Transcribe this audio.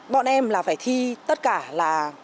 bọn em là phải thi tất cả là